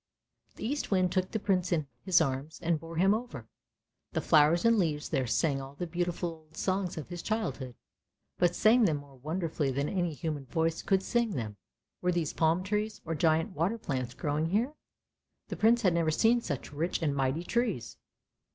The Eastwind took the Prince in his arms and bore him over. The flowers and leaves there sang all the beautiful old songs of his childhood, but sang them more wonderfully than any human voice could sing them. Were these palm trees or giant water plants growing here? The Prince had never seen such rich and mighty trees.